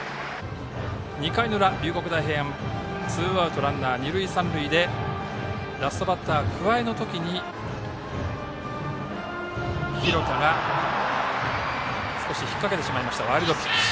２回の裏、龍谷大平安ツーアウトランナー、二塁三塁でラストバッター、桑江の時に廣田が少し引っ掛けてしまってワイルドピッチ。